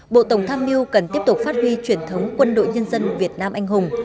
bộ tổng tham mưu cần tiếp tục phát huy truyền thống quân đội nhân dân việt nam anh hùng